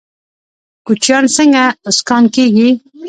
کوچیان څنګه اسکان کیږي؟